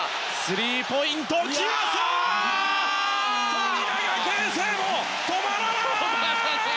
富永啓生も止まらない！